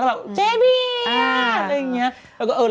แบบเจ๊เบียอะไรอย่างนี้